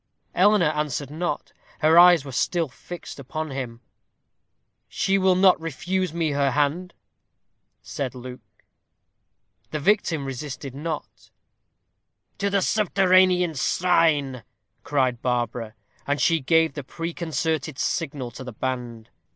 Eleanor answered not. Her eyes were still fixed on him. "She will not refuse me her hand," said Luke. The victim resisted not. "To the subterranean shrine," cried Barbara. And she gave the preconcerted signal to the band.